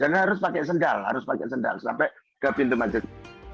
dan harus pakai sendal harus pakai sendal sampai ke pintu masjid